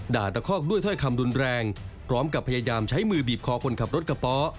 ตะคอกด้วยถ้อยคำรุนแรงพร้อมกับพยายามใช้มือบีบคอคนขับรถกระป๋อ